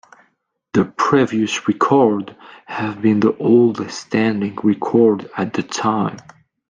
The previous record had been the oldest standing record at the time.